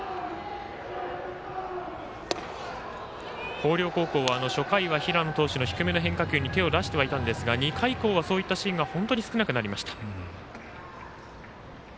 広陵高校は初回は平野投手の低めの変化球に手を出してはいたんですが２回以降はそういったシーンが本当に少なくなりました。